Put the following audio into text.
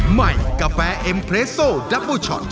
ใหม่กาแฟเอ็มเรสโซดับเบอร์ช็อต